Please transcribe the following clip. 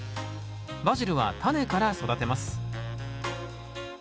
バジルはタネから育てます。